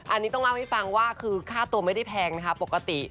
อันนี้ต้องเล่าให้ฟังว่าคือค่าตัวไม่ได้แพงนะคะปกติ